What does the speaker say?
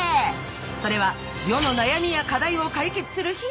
それは世の悩みや課題を解決するヒントが詰まった宝の山！